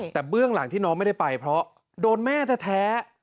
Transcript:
แต่เบื้องหลังที่น้องไม่ได้ไปเพราะโดนแม่แท้